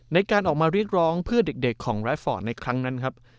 ในการออกมาเรียกร้องเพื่อเด็กของไร้ฟอร์ตในครั้งนั้นครับ